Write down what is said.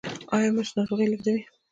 ایا مچ ناروغي لیږدوي؟